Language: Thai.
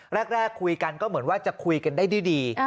แรกคุยกันก็เหมือนว่าจะคุยกันได้ด้วยดี